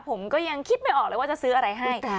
ผมก็ยังคิดไม่ออกเลยว่าจะซื้ออะไรให้